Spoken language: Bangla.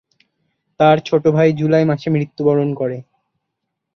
তার ছোট ভাই জুলাই মাসে মৃত্যুবরণ করে।